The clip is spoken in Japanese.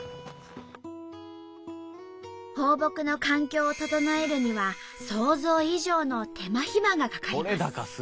放牧の環境を整えるには想像以上の手間ひまがかかります。